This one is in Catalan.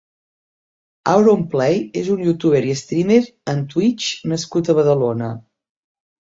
AuronPlay és un youtuber i streamer en Twitch nascut a Badalona.